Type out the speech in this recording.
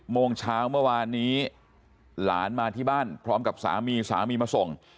โมงเช้าเมื่อวานนี้หลานมาที่บ้านพร้อมกับสามีสามีมาส่ง